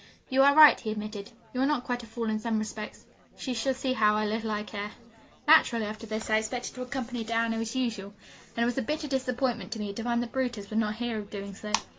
'You are right,' he admitted; 'you are not quite a fool in some respects. She shall see how little I care!' Naturally, after this, I expected to accompany Diana as usual, and it was a bitter disappointment to me to find that Brutus would not hear of doing so.